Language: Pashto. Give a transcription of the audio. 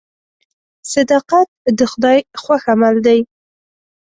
صداقت د خدای خوښ عمل دی.